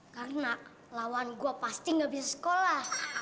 karena lawan gue pasti gak bisa sekolah